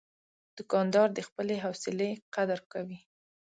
دوکاندار د خپلې حوصلې قدر کوي.